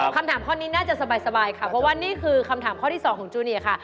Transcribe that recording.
คำถามข้อนี้น่าจะสบายค่ะเพราะว่านี่คือคำถามข้อที่๒ของจูเนียค่ะ